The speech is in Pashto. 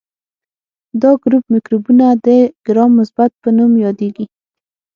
دا ګروپ مکروبونه د ګرام مثبت په نوم یادیږي.